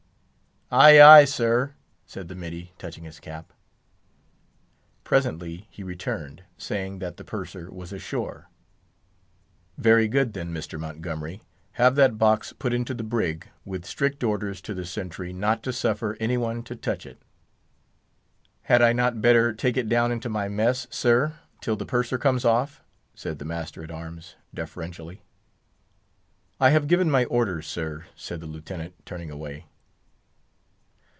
"Ay, ay, sir," said the middy, touching his cap. Presently he returned, saying that the Purser was ashore. "Very good, then; Mr. Montgomery, have that box put into the 'brig,' with strict orders to the sentry not to suffer any one to touch it." "Had I not better take it down into my mess, sir, till the Purser comes off?" said the master at arms, deferentially. "I have given my orders, sir!" said the Lieutenant, turning away.